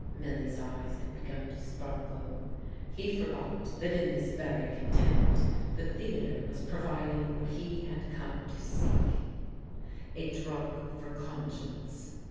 Milly's eyes had begun to sparkle. He forgot that in this very contempt the theatre was providing what he had come to seek a drug for conscience.